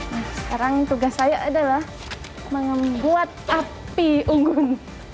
nah sekarang tugas saya adalah membuat api unggun